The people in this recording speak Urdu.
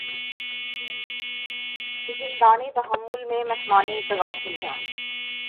زندانِ تحمل میں مہمانِ تغافل ہیں